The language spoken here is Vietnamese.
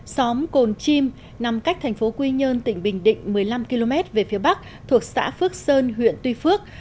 xóm cồn chim nằm cách thành phố quy nhơn tỉnh bình định một mươi năm km về phía bắc thuộc xã phước sơn huyện tuy phước